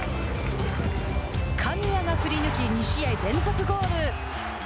神谷が振り抜き２試合連続ゴール。